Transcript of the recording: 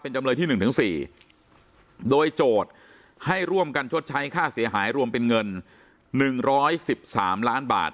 จำเลยที่๑ถึง๔โดยโจทย์ให้ร่วมกันชดใช้ค่าเสียหายรวมเป็นเงิน๑๑๓ล้านบาท